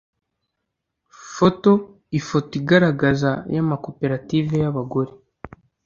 Photo Ifoto igaragaza y amakoperative y abagore